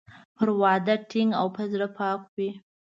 پر وعده ټینګ او په زړه پاک وي.